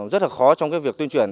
rất là khó trong việc tuyên truyền